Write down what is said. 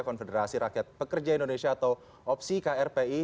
konfederasi rakyat pekerja indonesia atau opsi krpi